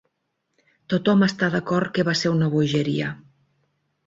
Tothom està d'acord que va ser una bogeria.